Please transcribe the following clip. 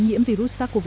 nhiễm virus sars cov hai